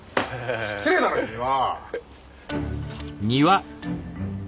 失礼だな君は！